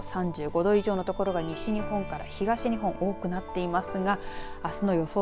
３５度以上の所が西日本から東日本多くなっていますがあすの予想